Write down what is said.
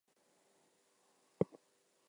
I don’t see how you could get stuck on this one.